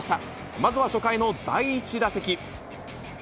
まずは初回の第１打席。